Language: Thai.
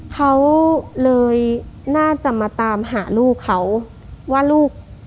เขาว่าลูก